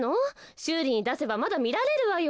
しゅうりにだせばまだみられるわよ。